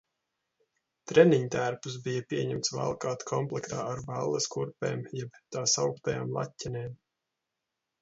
Treniņtērpus bija pieņemts valkāt komplektā ar balles kurpēm jeb tā sauktajām laķenēm.